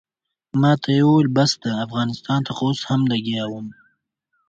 ماته یې وویل بس ده افغانستان ته خو اوس هم لګیا وم.